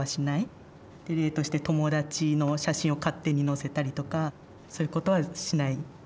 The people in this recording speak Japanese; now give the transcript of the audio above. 例として友達の写真を勝手にのせたりとかそういうことはしない。